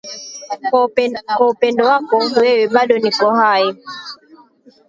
Kwa upendo wako wewe bado niko hai.